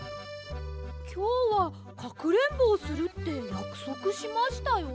きょうはかくれんぼをするってやくそくしましたよ！